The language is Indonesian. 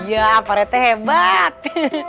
iya pak rt hebat